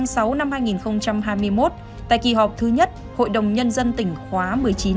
ngày hai mươi chín tháng sáu năm hai nghìn hai mươi một tại kỳ họp thứ nhất hội đồng nhân dân tỉnh khóa một mươi chín